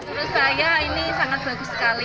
menurut saya ini sangat bagus sekali